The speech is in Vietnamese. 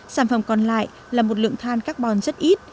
sản phẩm còn lại là một lượng than carbon rất ít